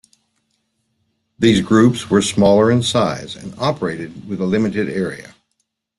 These groups were smaller in size and operated with a limited area.